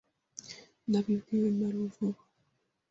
Nabibwiwe na Ruvubu